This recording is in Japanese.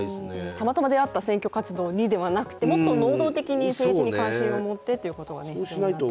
たまたま出会った選挙活動にではなくてもっと能動的に政治に関心を持ってということをしないと。